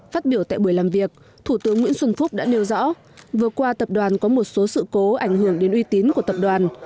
phát biểu tại buổi làm việc thủ tướng nguyễn xuân phúc đã nêu rõ vừa qua tập đoàn có một số sự cố ảnh hưởng đến uy tín của tập đoàn